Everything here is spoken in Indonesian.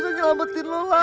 gue mau nyelamatin lo lah